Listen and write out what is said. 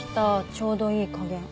ちょうどいい加減。